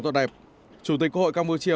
tốt đẹp chủ tịch quốc hội campuchia